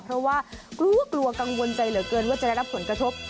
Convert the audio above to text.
เพราะว่ากลัวกลัวกังวลใจเหลือเกินว่าจะได้รับผลกระทบ